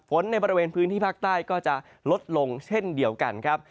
ในบริเวณพื้นที่ภาคใต้ก็จะลดลงเช่นเดียวกันครับ